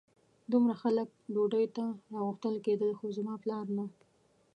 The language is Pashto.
دومره خلک ډوډۍ ته راغوښتل کېدل خو زما پلار نه.